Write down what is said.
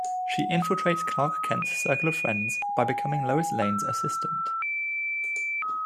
She infiltrates Clark Kent's circle of friends by becoming Lois Lane's assistant.